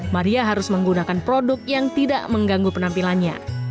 maria harus menggunakan produk yang tidak mengganggu penampilannya